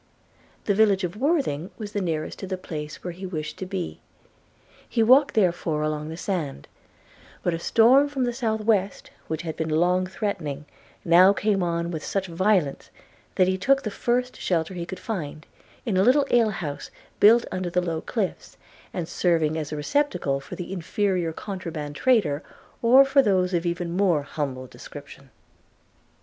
The village of Worthing was the nearest to the place where he wished to be. He walked therefore along the sand; but a storm from the south west, which had been long threatening, now came on with such violence that he took the first shelter he could find, in a little alehouse built under the low cliffs, and serving as a receptacle for the inferior contraband trader, or those of even a more humble description.